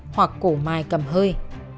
hoặc cổ mài cầm hơi